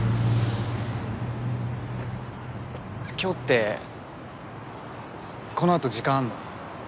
今日ってこのあと時間あんの？